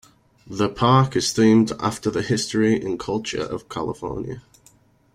The park is themed after the history and culture of California.